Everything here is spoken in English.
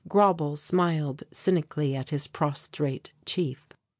Grauble smiled cynically at his prostrate chief.